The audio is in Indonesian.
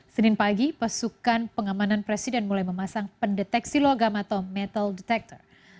senin pagi pasukan pengamanan presiden mulai memasang pendeteksi logam atau metal detector